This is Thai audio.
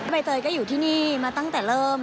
ใบเตยก็อยู่ที่นี่มาตั้งแต่เริ่ม